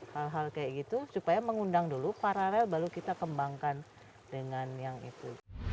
hal hal kayak gitu supaya mengundang dulu paralel baru kita kembangkan dengan yang itu